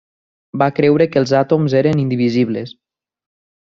Va creure que els àtoms eren indivisibles.